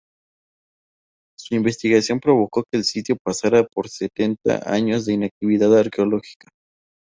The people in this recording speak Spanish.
Su investigación provocó que el sitio pasara por setenta años de inactividad arqueológica.